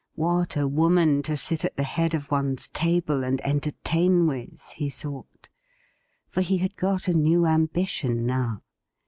What a woman to sit at the head of one's table and entertain with, he thought ; for he had got a new ambition now.